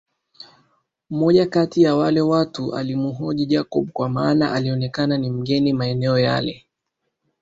Mmoja kati ya wale watu alimuhoji Jacob kwa maana alionekana ni mgeni maeneo yale